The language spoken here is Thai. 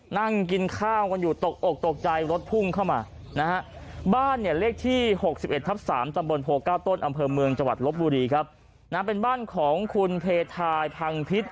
นั่งกินข้าวกันอยู่ตกออกตกใจว่ารถพุ่งเข้ามา